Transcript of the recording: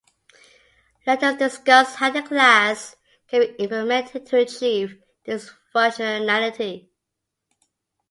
Let us discuss how the class can be implemented to achieve this functionality.